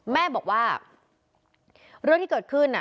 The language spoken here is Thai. แม่บอกว่าเรื่องที่เกิดขึ้น